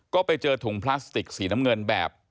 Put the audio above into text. ก็ไปเจอถุงพลาสติกสีน้ำเงินแบบ